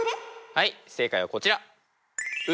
はい正解はこちら。